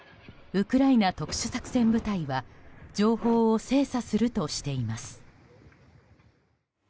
ウクライナ特殊作戦部隊は情報を精査するとしています。